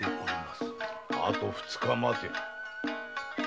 あと二日待て。